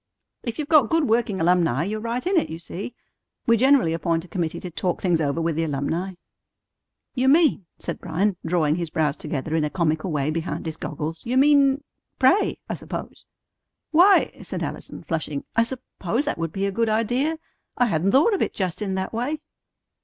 If you've got good working alumni, you're right in it, you see. We generally appoint a committee to talk things over with the alumni." "You mean," said Bryan, drawing his brows together in a comical way behind his goggles, "you mean pray, I suppose." "Why," said Allison, flushing, "I suppose that would be a good idea. I hadn't thought of it just in that way."